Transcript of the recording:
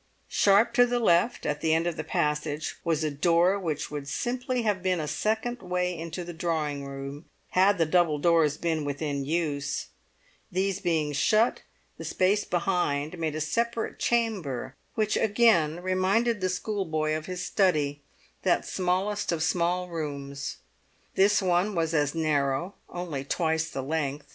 Sharp to the left, at the end of the passage, was a door which would simply have been a second way into the drawing room had the double doors within been is use; these being shut, the space behind made a separate chamber which again reminded the schoolboy of his study, that smallest of small rooms. This one was as narrow, only twice the length.